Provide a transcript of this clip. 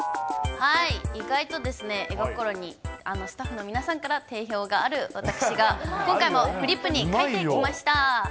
意外と絵心に、スタッフの皆さんから定評がある私が、今回もフリップに描いてきました。